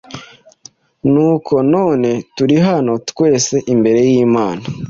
Nuko none turi hano twese imbere y’Imana,